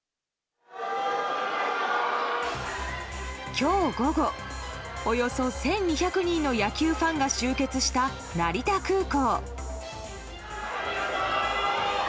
今日午後、およそ１２００人の野球ファンが集結した成田空港。